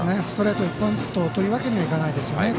ストレート一辺倒というわけにはいかないですね。